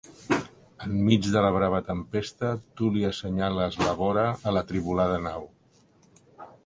Enmig de la brava tempesta tu li assenyales la vora a l'atribolada nau.